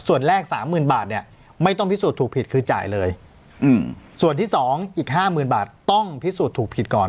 ส่วนแรก๓๐๐๐บาทเนี่ยไม่ต้องพิสูจน์ถูกผิดคือจ่ายเลยส่วนที่๒อีก๕๐๐๐บาทต้องพิสูจน์ถูกผิดก่อน